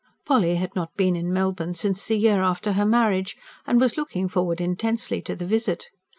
Polly had not been in Melbourne since the year after her marriage, and was looking forward intensely to the visit.